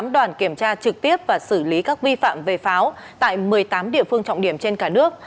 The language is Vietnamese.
tám đoàn kiểm tra trực tiếp và xử lý các vi phạm về pháo tại một mươi tám địa phương trọng điểm trên cả nước